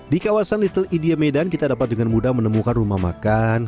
di kawasan little india medan kita dapat dengan mudah menemukan rumah makan